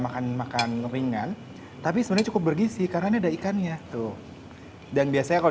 makan makan ringan tapi sebenarnya cukup bergisi karena ada ikannya tuh dan biasanya kalau